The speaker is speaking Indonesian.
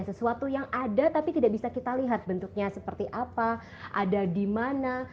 sesuatu yang ada tapi tidak bisa kita lihat bentuknya seperti apa ada di mana